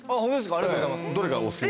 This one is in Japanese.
ありがとうございます。